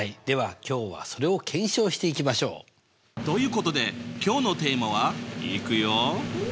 では今日はそれを検証していきましょう！ということで今日のテーマはいくよ。